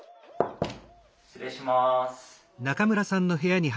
失礼します。